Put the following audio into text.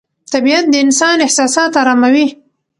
طبیعت د انسان احساسات اراموي